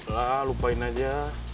lah lupain aja